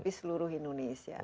tapi seluruh indonesia